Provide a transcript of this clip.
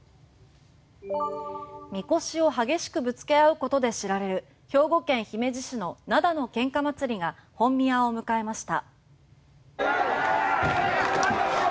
みこしを激しくぶつけ合うことで知られる兵庫県姫路市の灘のけんか祭りが本宮を迎えました。